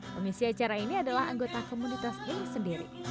pengisi acara ini adalah anggota komunitas ini sendiri